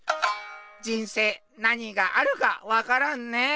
人生なにがあるかわからんね。